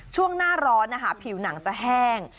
ช่วงหน้าร้อนนะคะผิวหนังจะแห้ง